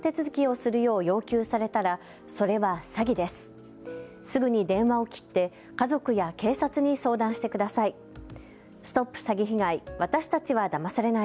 すぐに電話を切って家族や警察に相談してください。